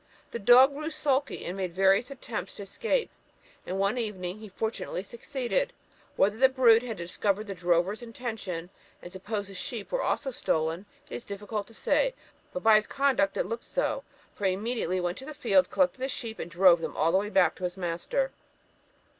The dog grew sulky, and made various attempts to escape, and one evening he fortunately succeeded. Whether the brute had discovered the drover's intention, and supposed the sheep were also stolen, it is difficult to say; but by his conduct it looked so, for he immediately went to the field, collected the sheep, and drove them all back to his master."